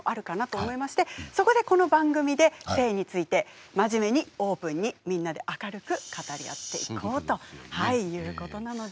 そこでこの番組で性について真面目にオープンにみんなで明るく語り合っていこうということなので。